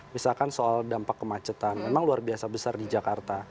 misalkan soal dampak kemacetan memang luar biasa besar di jakarta